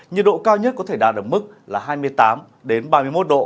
nhiệt độ cao nhất có thể đạt được mức là hai mươi tám ba mươi một độ